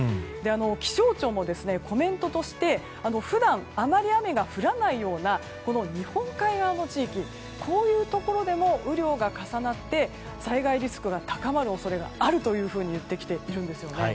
気象庁のコメントとして普段、あまり雨が降らないような日本海側の地域でも雨量が重なって災害リスクが高まる恐れがあると言ってきているんですよね。